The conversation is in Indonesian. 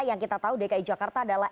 yang kita tahu dki jakarta adalah